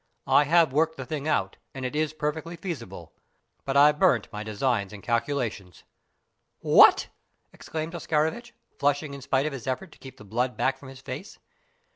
I have worked the thing out, and it is perfectly feasible, but I burnt my designs and calculations." "What!" exclaimed Oscarovitch, flushing in spite of his effort to keep the blood back from his face.